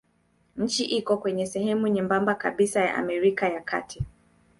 Nchi iko kwenye sehemu nyembamba kabisa ya Amerika ya Kati.